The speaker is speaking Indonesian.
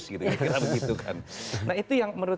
kira begitu kan nah itu yang menurut